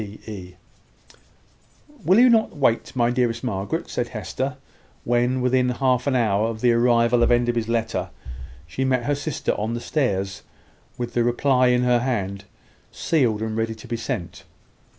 "PE." "Will you not wait, my dearest Margaret?" said Hester, when, within half an hour of the arrival of Enderby's letter, she met her sister on the stairs, with the reply in her hand, sealed, and ready to be sent.